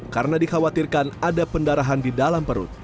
karena dikhawatirkan ada pendarahan di dalam perut